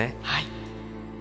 はい。